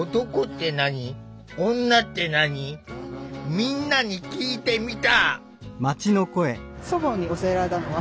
みんなに聞いてみた。